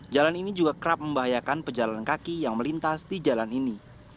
jalan ini juga kerap membahayakan pejalan kaki yang melintas di jalan ini